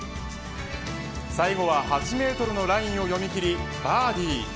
最後は８メートルのラインを読み切りバーディー。